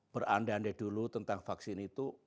beranda anda dulu tentang vaksin itu